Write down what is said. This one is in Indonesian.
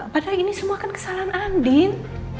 padahal ini semua kan kesalahan andin